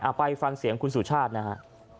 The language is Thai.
ไปฟังเสียงคุณสุชาตินะฮะ